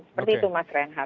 seperti itu mas renhar